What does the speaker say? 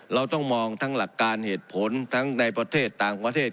เราต้องมองทั้งหลักการเหตุผลทั้งในประเทศต่างประเทศ